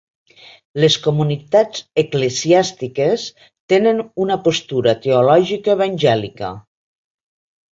Les comunitats eclesiàstiques tenen una postura teològica evangèlica.